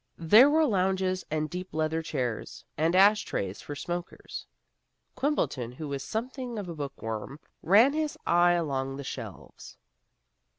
There were lounges and deep leather chairs, and ash trays for smokers. Quimbleton, who was something of a bookworm, ran his eye along the shelves.